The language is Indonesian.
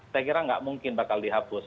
saya kira tidak mungkin akan dihapus